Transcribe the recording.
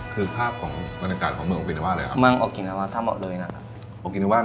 คือภาพของบริษัทของเมืองโอกินาว่าเลยอะครับ